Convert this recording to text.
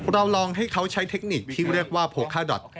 ลองให้เขาใช้เทคนิคที่เรียกว่าโพคาดอท